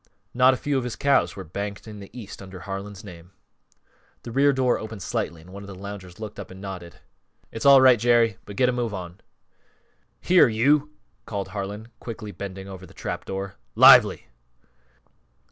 Not a few of his cows were banked in the East under Harlan's name. The rear door opened slightly and one of the loungers looked up and nodded. "It's all right Jerry. But get a move on!" "Here, you!" called Harlan, quickly bending over the trap door, "_Lively!